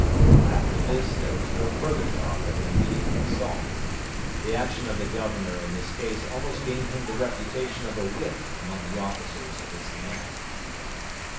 After this, there was no further talk of an immediate assault. The action of the governor in this case almost gained him the reputation of a wit among the officers of his command.